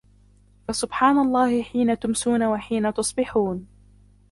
فسبحان الله حين تمسون وحين تصبحون